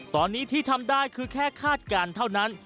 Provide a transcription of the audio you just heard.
ตอนนี้ที่ทำได้คือแค่คาดการณ์เท่านั้น